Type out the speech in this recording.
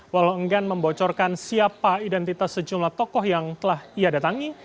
walau enggan membocorkan siapa identitas sejumlah tokoh yang telah ia datangi